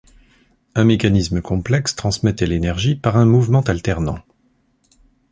Un mécanisme complexe transmettait l’énergie par un mouvement alternant.